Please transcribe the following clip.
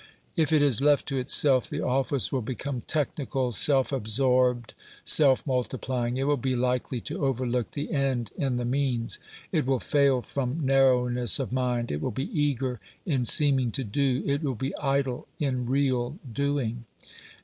If it is left to itself, the office will become technical, self absorbed, self multiplying. It will be likely to overlook the end in the means; it will fail from narrowness of mind; it will be eager in seeming to do; it will be idle in real doing.